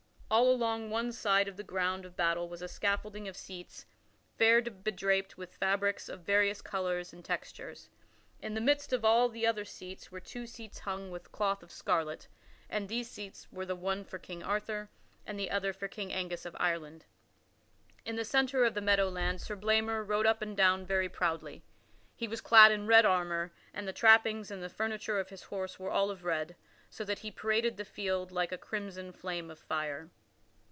All along one side of the ground of battle was a scaffolding of seats fair bedraped with fabrics of various colors and textures. In the midst of all the other seats were two seats hung with cloth of scarlet, and these seats were the one for King Arthur and the other for King Angus of Ireland. In the centre of the meadow land Sir Blamor rode up and down very proudly. He was clad in red armor, and the trappings and the furniture of his horse were all of red, so that he paraded the field like a crimson flame of fire.